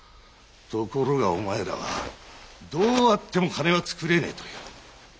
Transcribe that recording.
ところがお前らはどうあっても金は作れねえと言う。